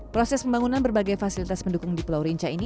proses pembangunan berbagai fasilitas pendukung di pulau rinca ini